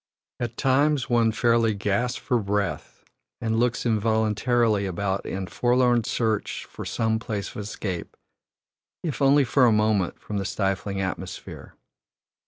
At times one fairly gasps for breath and looks involuntarily about in forlorn search of some place of escape, if only for a moment, from the stifling atmosphere.